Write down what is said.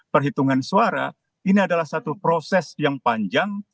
perhitungan suara ini adalah satu proses yang panjang